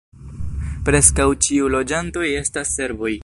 Preskaŭ ĉiu loĝantoj estas serboj.